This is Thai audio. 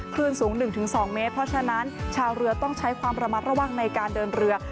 คลื่นสูง๑๒เมตรเพราะฉะนั้นชาวเรือต้องใช้ความระมัดระวังในการเดินเรือ